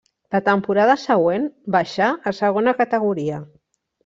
La temporada següent baixà a segona categoria.